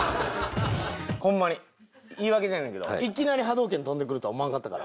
ホンマに言い訳じゃないけどいきなり波動拳飛んでくるとは思わんかったから。